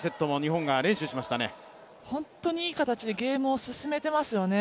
本当にいい形でゲームを進めていますよね。